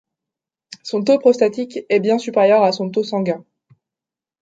Son taux prostatique est bien supérieur à son taux sanguin.